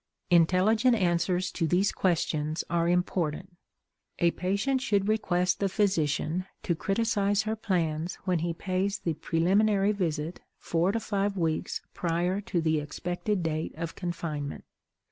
Intelligent answers to these questions are important. A patient should request the physician to criticize her plans when he pays the preliminary visit four to five weeks prior to the expected date of confinement.